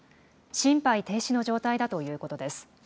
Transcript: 心肺停止の状態だということです。